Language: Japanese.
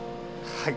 はい。